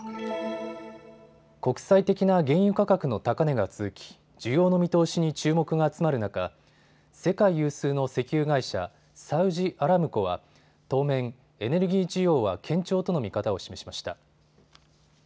国際的な原油価格の高値が続き需要の見通しに注目が集まる中、世界有数の石油会社、サウジアラムコは当面、エネルギー需要は堅調との見方を示しました。